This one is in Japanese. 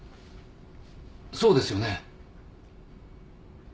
そうですよね？